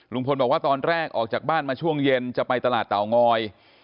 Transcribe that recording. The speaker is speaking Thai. บอกว่าตอนแรกออกจากบ้านมาช่วงเย็นจะไปตลาดเตางอย